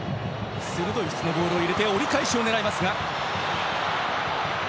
鋭い質のボールを入れて折り返しを狙いますが。